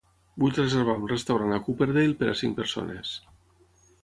Vull reservar un restaurant a Cooperdale per a cinc persones.